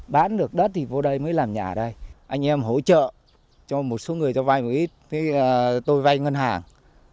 bán được đất thì vô đây mới làm nhà đây anh em hỗ trợ cho một số người cho vay một ít tôi vay ngân hàng